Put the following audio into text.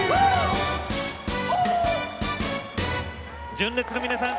純烈の皆さん